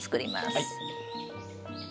はい。